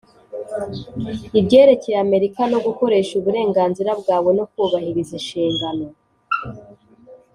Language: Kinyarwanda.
ibyerekeye Amerika no gukoresha uberenganzira bwawe no kubahiriza inshingano